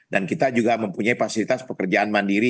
dan kita juga mempunyai fasilitas pekerjaan mandiri